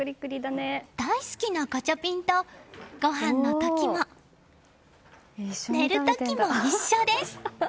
大好きなガチャピンとごはんの時も、寝る時も一緒です。